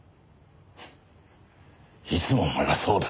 フッいつもお前はそうだ。